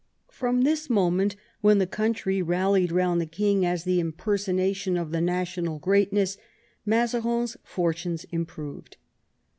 From this moment, when the country rallied round the king as the impersonation of the national greatness, Mazarin's fortunes improved.